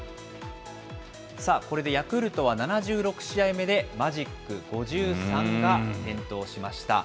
これでヤクルトは７６試合目でマジック５３が点灯しました。